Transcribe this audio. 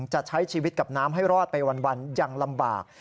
จะใช้ชีวิตกับน้ำให้รอดไปวันยังลำบาก